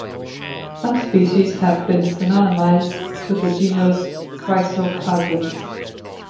Some species have been synonymizedd to the genus "Chrysochlamys".